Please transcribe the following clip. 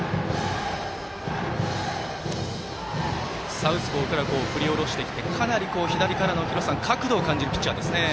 サウスポーから振り下ろしてきてかなり、左からの角度を感じるピッチャーですね。